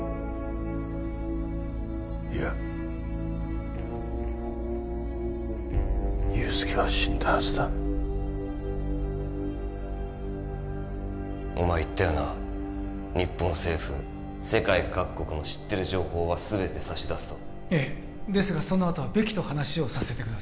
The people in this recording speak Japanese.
いや憂助は死んだはずだお前言ったよな日本政府世界各国の知ってる情報は全て差し出すとええですがそのあとはベキと話をさせてください